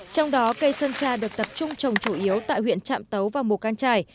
trong đó cây sơn tra được tập trung trồng chủ yếu tại huyện trạm tấu và mù căng trải